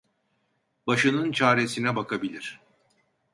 Başının çaresine bakabilir.